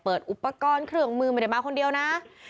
อุปกรณ์เครื่องมือไม่ได้มาคนเดียวนะ